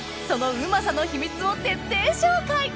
そのうまさの秘密を徹底紹介！